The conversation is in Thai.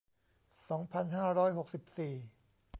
สองพันห้าร้อยหกสิบสี่